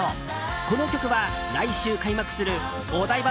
この曲は来週開幕するお台場